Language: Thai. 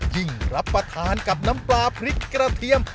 รับประทานกับน้ำปลาพริกกระเทียม